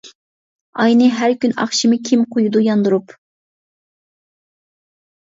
ئاينى ھەر كۈن ئاخشىمى، كىم قۇيىدۇ ياندۇرۇپ.